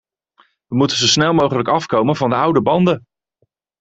We moeten zo snel mogelijk afkomen van de oude banden.